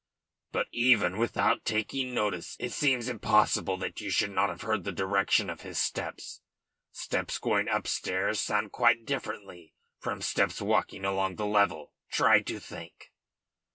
"But even without taking notice it seems impossible that you should not have heard the direction of his steps. Steps going up stairs sound quite differently from steps walking along the level. Try to think."